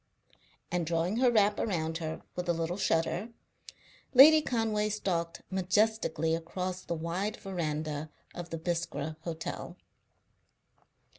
And, drawing her wrap around her with a little shudder, Lady Conway stalked majestically across the wide verandah of the Biskra Hotel.